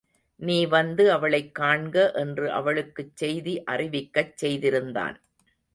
நீ வந்து அவளைக் காண்க என்று அவளுக்குச் செய்தி அறிவிக்கச் செய்திருந்தான்.